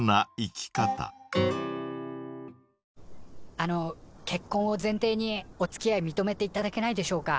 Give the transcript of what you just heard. あの結婚を前提におつきあい認めていただけないでしょうか？